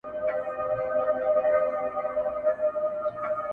دا احسان دي لا پر ځان نه دی منلی٫